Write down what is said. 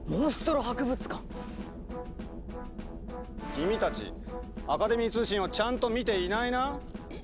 ⁉君たちアカデミー通信をちゃんと見ていないな？